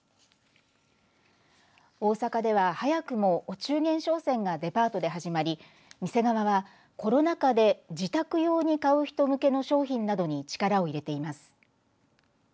大阪では早くもお中元商戦がデパートで始まり店側はコロナ禍で自宅用に買う人向けの商品などに力を入れています。